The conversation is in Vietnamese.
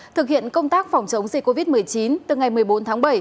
thực hiện công tác phòng chống dịch covid một mươi chín từ ngày một mươi bốn tháng bảy